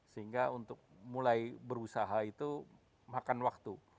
sehingga untuk mulai berusaha itu makan waktu